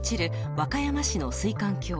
和歌山市の水管橋。